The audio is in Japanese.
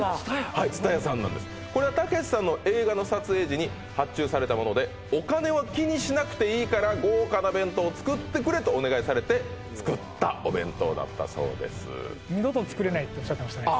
はい津多屋さんなんですこれはたけしさんの映画の撮影時に発注されたものでお金は気にしなくていいから豪華な弁当を作ってくれとお願いされて作ったお弁当だったそうですっておっしゃってましたね